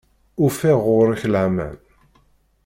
Ufiɣ ɣur-k laman.